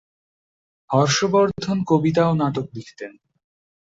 হর্ষবর্ধন কবিতা ও নাটক লিখতেন।